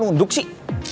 kok lo duduk sih